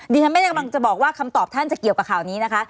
ดิฉันไม่ได้กำลังจะบอกว่าคำตอบท่านจะเกี่ยวกับข่าวนี้นะคะ